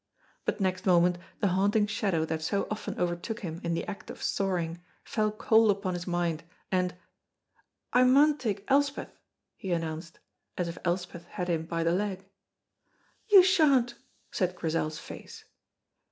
But next moment the haunting shadow that so often overtook him in the act of soaring fell cold upon his mind, and "I maun take Elspeth!" he announced, as if Elspeth had him by the leg. "You sha'n't!" said Grizel's face.